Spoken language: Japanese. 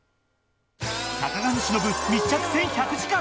坂上忍密着１１００時間。